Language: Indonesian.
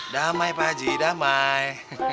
damai pak haji damai